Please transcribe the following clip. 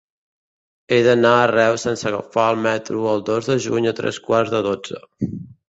He d'anar a Reus sense agafar el metro el dos de juny a tres quarts de dotze.